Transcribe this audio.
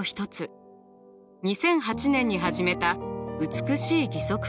２００８年に始めた美しい義足プロジェクト。